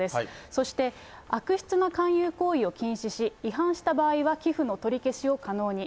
そして、悪質な勧誘行為を禁止し、違反した場合は寄付の取り消しを可能に。